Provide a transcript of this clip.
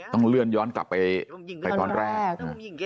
ต้องเลื่อนย้อนกลับไปตอนแรก